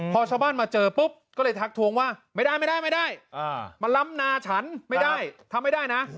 พอชาวบ้านมาเจอปุ๊บก็เลยทักทวงว่าไม่ได้ไม่ได้มาล้ำนาฉันไม่ได้ทำไม่ได้นะ